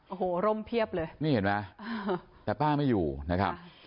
โอ้โหร่มเพียบเลยนี่เห็นไหมแต่ป้าไม่อยู่นะครับ